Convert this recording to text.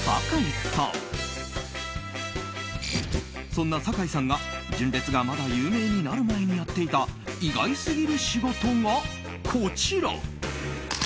そんな酒井さんが純烈がまだ有名になる前にやっていた意外すぎる仕事が、こちら。